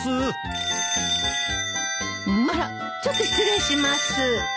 ☎あらちょっと失礼します。